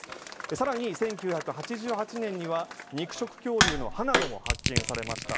更に、１９８８年には肉食恐竜の歯なども発見されました。